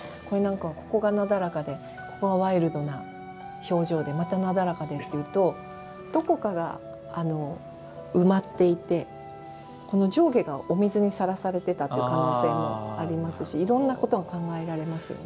ここが、なだらかでここがワイルドな表情で、またなだらかでっていうとどこから埋まっていて上下がお水にさらされてたという可能性もありますしいろんなことが考えられますよね。